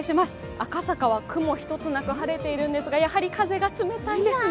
赤坂は雲一つなく晴れているんですが、やはり風が冷たいですね。